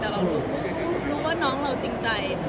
แต่เรารู้ว่าน้องเราจริงใจ